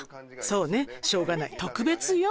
「そうねしょうがない特別よ」